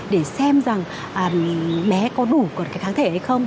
để xem rằng bé có đủ cái kháng thể hay không